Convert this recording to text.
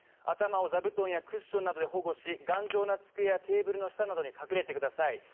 頭を座布団やクッションなどで保護し、頑丈なテーブルの下などに隠れてください。